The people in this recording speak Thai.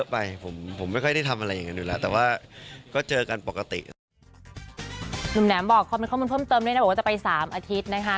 ไปเฝ้าพี่กองด้วยไปรับไปส่ง